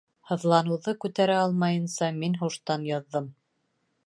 Һыҙланыуҙы күтәрә алмайынса, мин һуштан яҙҙым